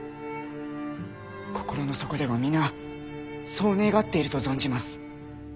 心の底では皆そう願っていると存じます。